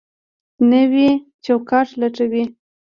نوی چوکاټ لټوي.